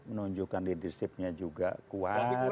menunjukkan leadership nya juga kuat